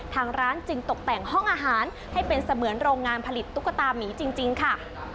ทางร้านจึงตกแต่งห้องอาหารให้เป็นเสมือนโรงงานผลิตตุ๊กตามีจริงค่ะ